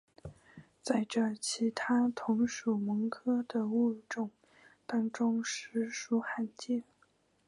这在其他同属蠓科的物种当中实属罕见。